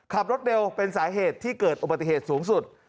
ขับรถเร็วเป็นสาเหตุที่เกิดอุบัติเหตุสูงสุด